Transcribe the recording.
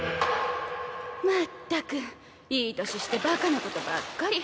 まったくいい年してバカなことばっかり。